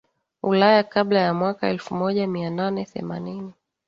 Ulaya Kabla ya mwaka elfumoja mianane themanini